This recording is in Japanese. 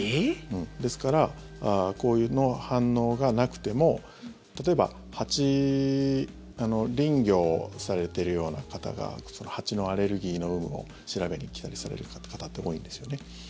ですからこういう反応がなくても例えば、蜂林業されてるような方が蜂のアレルギーの有無を調べに来たりされる方って多いんですよね。